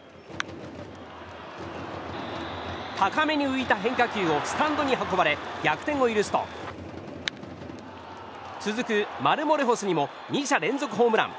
高めに浮いた変化球をスタンドに運ばれ逆転を許すと続くマルモレホスにも２者連続ホームラン。